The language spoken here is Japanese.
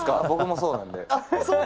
僕もそうなんで。